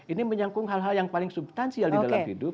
ini menyangkut hal hal yang paling substansial di dalam hidup